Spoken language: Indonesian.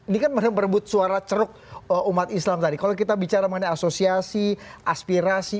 dikandung berebut suara ceruk umat islam dari kalau kita bicara mengenai asosiasi aspirasi